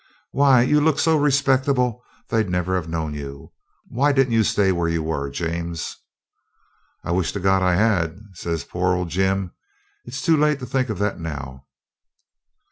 Why, you look so respectable they'd never have known you. Why didn't you stay where you were, James?' 'I wish to God I had!' says poor old Jim. 'It's too late to think of that now.'